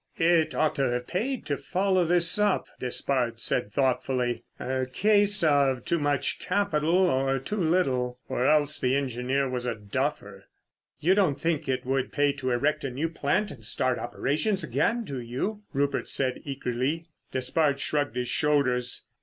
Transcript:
"It ought to have paid to follow this up," Despard said thoughtfully. "A case of too much capital or too little. Or else the engineer was a duffer." "You don't think it would pay to erect a new plant and start operations again, do you?" Rupert said eagerly. Despard shrugged his shoulders.